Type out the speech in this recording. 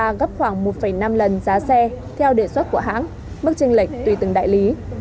cao gấp khoảng một năm lần giá xe theo đề xuất của hãng mức tranh lệch tùy từng đại lý